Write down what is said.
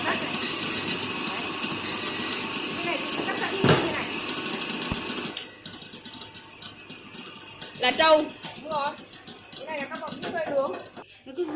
cái này là các bọc chú cây nướng